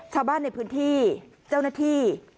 ชาวบ้านในพื้นที่เจ้าหน้าที่